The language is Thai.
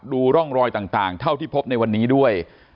ดูร่องรอยต่างเท่าที่พบในวันนี้ด้วย